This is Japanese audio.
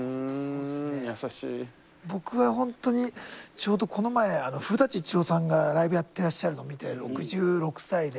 僕は本当にちょうどこの前古伊知郎さんがライブやってらっしゃるのを見て６６歳で。